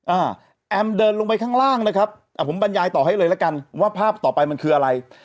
แอมเดินลงไปข้างล่างนะครับอ่าผมบรรยายต่อให้เลยละกันว่าภาพต่อไปมันคืออะไร